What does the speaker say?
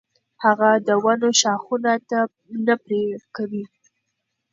هغه د ونو ښاخونه نه پرې کوي.